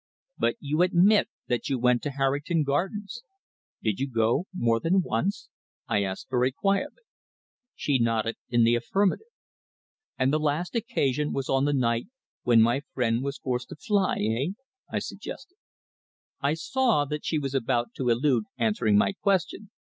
"But you admit that you went to Harrington Gardens. Did you go more than once?" I asked very quietly. She nodded in the affirmative. "And the last occasion was on the night when my friend was forced to fly, eh?" I suggested. I saw that she was about to elude answering my question.